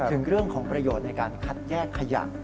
ถึงเรื่องของประโยชน์ในการคัดแยกขยะ